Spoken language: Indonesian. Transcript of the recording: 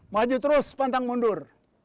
maju terus pantang mundur